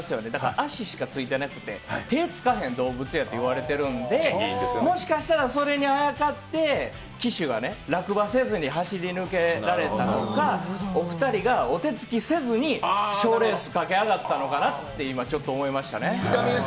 足しかついてなくて、手をつかへん動物やと言われているのでもしかしたらそれにあやかって、騎手が落馬せずに走り終えたとかお二人がお手つきせずに賞レース駆け上がったのかなと思います。